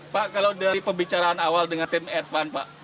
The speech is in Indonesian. pak kalau dari pembicaraan awal dengan tim edvan pak